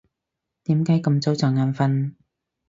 點解咁早就眼瞓？